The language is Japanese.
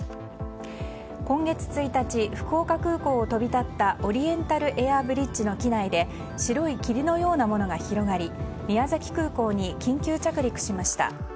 今月１日、福岡空港を飛び立ったオリエンタルエアブリッジの機内で白い霧のようなものが広がり宮崎空港に緊急着陸しました。